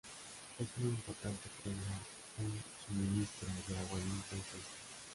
Es muy importante que tenga un suministro de agua limpia y fresca.